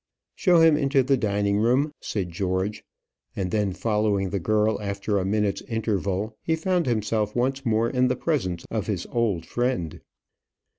"Show him into the dining room," said George; and then following the girl after a minute's interval, he found himself once more in the presence of his old friend.